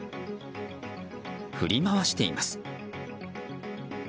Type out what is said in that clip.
振り回しています。